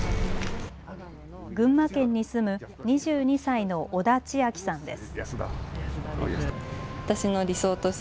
群馬県に住む２２歳の小田千晶さんです。